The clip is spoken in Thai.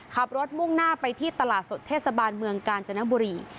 มุ่งหน้าไปที่ตลาดสดเทศบาลเมืองกาญจนบุรี